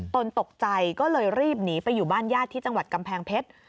ตกใจก็เลยรีบหนีไปอยู่บ้านญาติที่จังหวัดกำแพงเพชร